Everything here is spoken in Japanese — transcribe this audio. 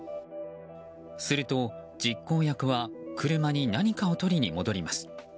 すると、実行役は車に何かを取りに戻ります。